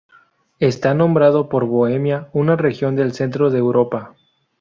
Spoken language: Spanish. Está nombrado por Bohemia, una región del centro de Europa.